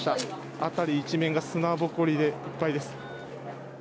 辺り一面、砂ぼこりでいっぱいです。